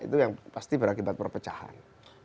itu yang pasti berakibat perpecahan